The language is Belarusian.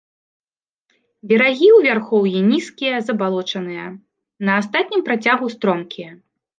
Берагі ў вярхоўі нізкія, забалочаныя, на астатнім працягу стромкія.